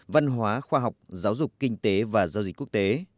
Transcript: văn hóa khoa học giáo dục kinh tế và giao dịch quốc tế